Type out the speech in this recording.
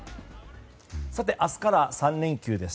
明日から３連休です。